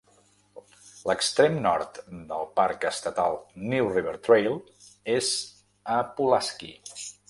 L'extrem nord del parc estatal New River Trail és a Pulaski.